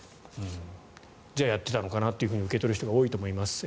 じゃあやっていたのかなと受け取る人が多いと思います。